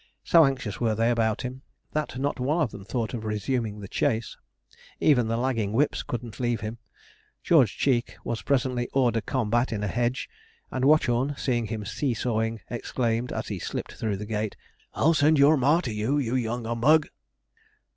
So anxious were they about him, that not one of them thought of resuming the chase. Even the lagging whips couldn't leave him. George Cheek was presently hors de combat in a hedge, and Watchorn seeing him 'see sawing,' exclaimed, as he slipped through a gate: 'I'll send your mar to you, you young 'umbug.'